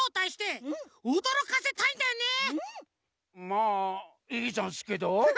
まあいいざんすけど。